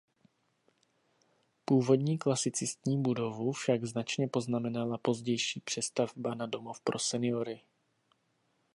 Původní klasicistní budovu však značně poznamenala pozdější přestavba na domov pro seniory.